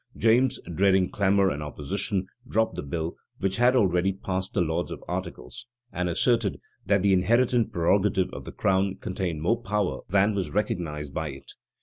James, dreading clamor and opposition dropped the bill, which had already passed the lords of articles; and asserted, that the inherent prerogative of the crown contained more power than was recognized by it.